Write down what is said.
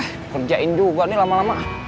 ngekerjain juga nih lama lama